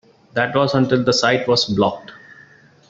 That was until the site was blocked.